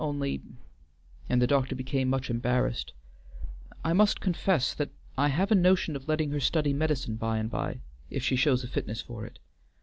Only," and the doctor became much embarrassed, "I must confess that I have a notion of letting her study medicine by and by if she shows a fitness for it."